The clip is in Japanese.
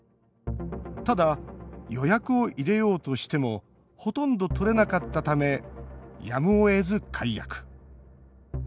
ただ、予約を入れようとしてもほとんど取れなかったためやむをえず、解約。